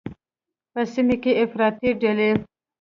په سیمه کې افراطي ډلې